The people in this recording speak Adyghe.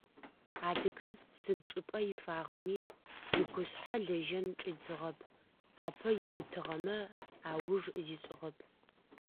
Адыгэр сыд чӏыпӏэ ифагъэми игушъхьэ лэжьэн чӏидзыгъэп, апэ имытыгъэмэ, ауж зишӏыгъэп.